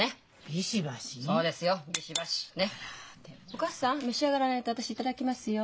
お義母さん召し上がらないと私頂きますよ。